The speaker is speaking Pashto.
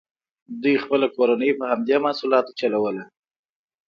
دوی خپله کورنۍ په همدې محصولاتو چلوله.